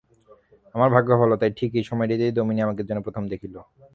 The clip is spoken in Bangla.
আমার ভাগ্য ভালো, তাই ঠিক এই সময়টাতেই দামিনী আমাকে যেন প্রথম দেখিল।